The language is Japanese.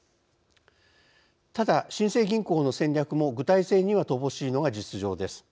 ただ、新生銀行の戦略も具体性には乏しいのが実情です。